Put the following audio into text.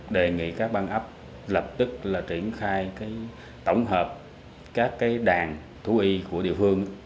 đề nghị các băng ấp lập tức là triển khai tổng hợp các đàn thú y của địa phương